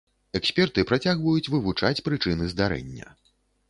Эксперты працягваюць вывучаць прычыны здарэння.